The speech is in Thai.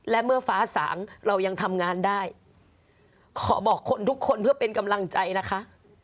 และเมื่อฟ้าสางเรายังทำงานได้ขอบอกคนทุกคนเพื่อเป็นกำลังใจนะคะ